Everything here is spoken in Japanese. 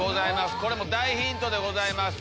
これも大ヒントでございます。